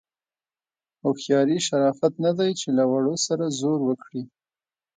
هوښیاري شرافت نه دی چې له وړو سره زور وکړي.